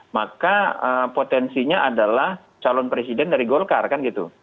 maka potensinya adalah calon presiden dari golkar kan gitu